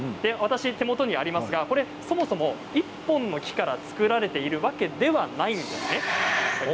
手元にあるのは、そもそも１本の木から作られているわけではないんです。